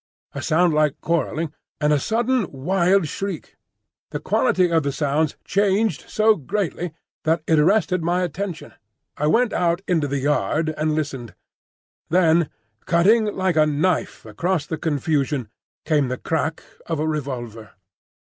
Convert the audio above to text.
a sound like quarrelling, and a sudden wild shriek. The quality of the sounds changed so greatly that it arrested my attention. I went out into the yard and listened. Then cutting like a knife across the confusion came the crack of a revolver.